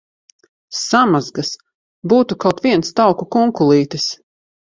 Samazgas! Būtu kaut viens tauku kunkulītis!